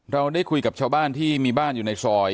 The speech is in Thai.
เราได้คุยกับชาวบ้านที่มีบ้านอยู่ในซอย